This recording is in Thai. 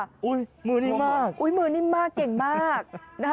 ใช่ค่ะอุ๊ยมือนิ่งมากเก่งมาก